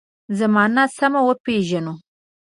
زمانه سمه وپېژنو.